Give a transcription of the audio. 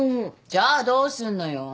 じゃあどうすんのよ？